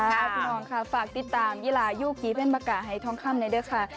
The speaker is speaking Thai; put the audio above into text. พี่น้องค่ะฝากติดตามยิลายูกยีเป็นประกาศไฮท้องค่ำในด้วยค่ะ